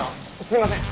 すいません。